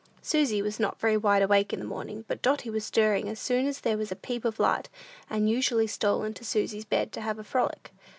Susy was not very wide awake in the morning; but Dotty was stirring as soon as there was a peep of light, and usually stole into Susy's bed to have a frolic.